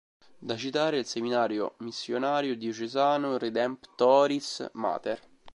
Da citare è il Seminario Missionario Diocesano Redemptoris Mater.